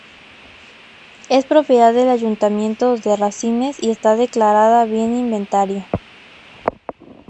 Es propiedad del Ayuntamiento de Rasines y está declarada Bien Inventariado.